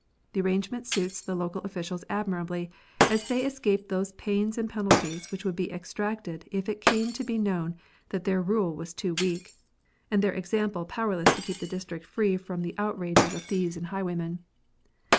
The arranorement suits the o o local officials admirably, as they escape those pains and penalties which would be exacted if it came to be known that their rule was too weak, and their example powerless to keep the district free from the outrages 62 POSTAL SERVICE. of thieves and highwaymen.